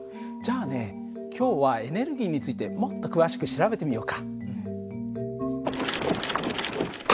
じゃあね今日はエネルギーについてもっと詳しく調べてみようか。